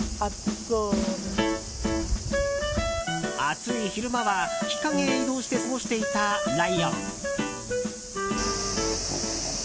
暑い昼間は、日陰へ移動して過ごしていたライオン。